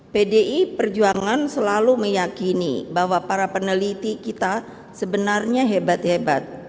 pdi perjuangan selalu meyakini bahwa para peneliti kita sebenarnya hebat hebat